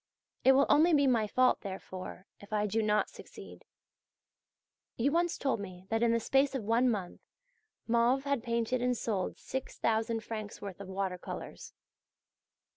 It will only be my fault, therefore, if I do not succeed. You once told me that in the space of one month Mauve had painted and sold 6000 francs' worth of water colours.